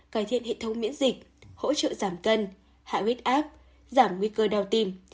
cải thiện hệ thống miễn dịch hỗ trợ giảm cân hạ huyết áp giảm nguy cơ đau tim